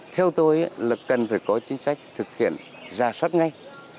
theo tôi là cần phải có chính sách thực hiện ra soát ngay